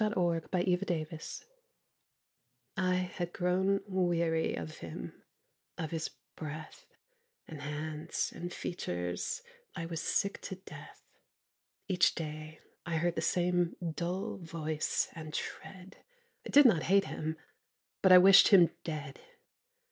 THOU SHALT NOT KILL I had grown weary of him; of his breath And hands and features I was sick to death. Each day I heard the same dull voice and tread; I did not hate him: but I wished him dead.